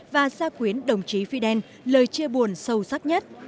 và gia quyến đồng chí fidel lời chia buồn sâu sắc nhất